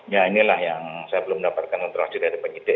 ya inilah yang saya belum dapatkan untuk hasil dari penyidik